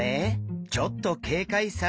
ちょっと警戒されてる？